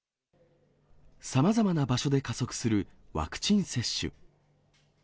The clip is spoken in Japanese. さまざまな場所で加速するワクチン接種。